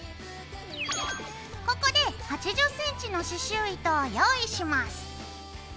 ここで８０ｃｍの刺しゅう糸を用意します。